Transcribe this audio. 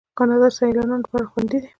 کاناډا د سیلانیانو لپاره خوندي ده.